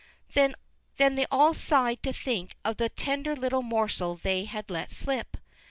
Then they all sighed to think of the tender little morsel they had let slip.